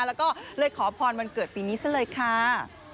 แล้วก็เลยขอพรวันเกิดปีนี้ซะเลยค่ะ